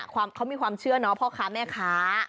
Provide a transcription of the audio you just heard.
เขามีความเชื่อเนาะพ่อค้าแม่ค้า